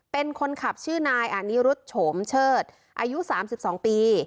เป็นคนขับชื่อนายอานิรุธโฉมเชิดอายุ๓๒ปี